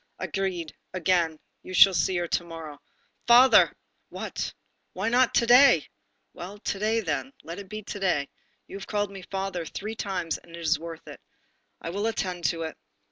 "Agreed again, you shall see her to morrow." "Father!" "What?" "Why not to day?" "Well, to day then. Let it be to day. You have called me 'father' three times, and it is worth it. I will attend to it.